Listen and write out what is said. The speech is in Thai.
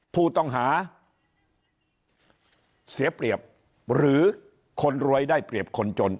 ผู้ต้องหาเสียเปรียบหรือคนรวยได้เปรียบคนจน